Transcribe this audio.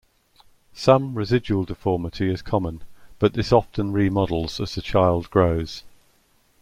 Some residual deformity is common but this often remodels as the child grows.